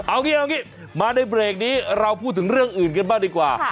เอางี้มาในเบรกนี้เราพูดถึงเรื่องอื่นกันบ้างดีกว่า